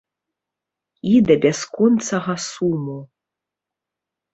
І да бясконцага суму.